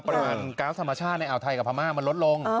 ประมาณการศาสตร์ธรรมชาติในอ่าวไทยกับภามากมันลดลง